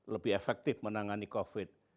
lebih efektif menangani covid sembilan belas